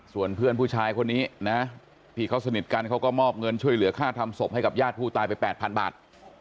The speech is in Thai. ส่วนเพื่อนผู้ชายคนนี้นะที่เขาสนิทกันเขาก็มอบเงินช่วยเหลือค่าทำศพให้กับญาติผู้ตายไป๘๐๐๐บาท